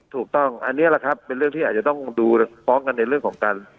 ถูกต้องอันนี้แหละครับเป็นเรื่องที่อาจจะต้องดูฟ้องกันในเรื่องของการ